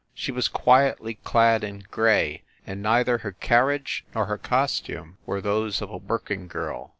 She was quietly clad in gray, and neither her carriage nor her costume were those of a working girl.